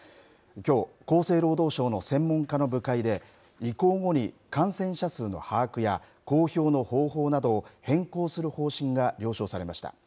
きょう、厚生労働省の専門家の部会で、移行後に、感染者数の把握や、公表の方法などを変更する方針が了承されました。